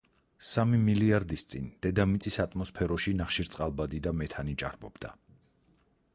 სამი მილიარდის წინ, დედამიწის ატმოსფეროში ნახშირწყალბადი და მეთანი ჭარბობდა.